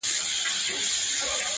له هيبته يې لړزېږي اندامونه٫